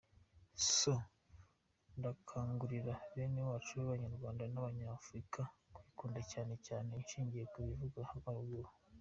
So, Ndakangurira bene wacu babanyarwanda n’abanyafrika kwikunda cyane cyane nshingiye ku bivugwa haruguru.